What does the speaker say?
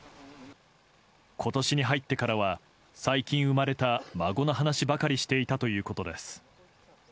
今年に入ってからは最近生まれた孫の話ばかりしていたということです。